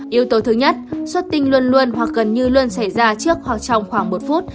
yếu tố thứ nhất xuất tinh luôn luôn hoặc gần như luôn xảy ra trước hoặc trong khoảng một phút